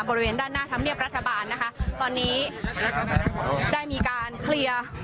บริเวณด้านหน้าธรรมเนียบรัฐบาลนะคะตอนนี้ได้มีการเคลียร์